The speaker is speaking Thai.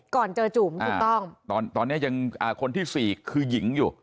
ก่อนเจอจุ๋มถูกต้องตอนตอนนี้ยังอ่าคนที่สี่คือหญิงอยู่